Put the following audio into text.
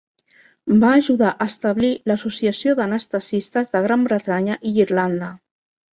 Va ajudar a establir l'Associació d'Anestesistes de Gran Bretanya i Irlanda.